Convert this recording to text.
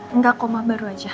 enggak kok ma baru aja